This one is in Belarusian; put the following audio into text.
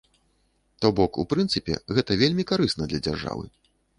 То бок, у прынцыпе, гэта вельмі карысна для дзяржавы.